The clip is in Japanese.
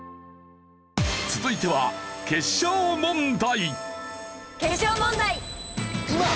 続いては決勝問題。